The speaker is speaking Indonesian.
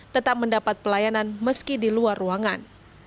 tetap mendapat pelayanan meski di luar ruangan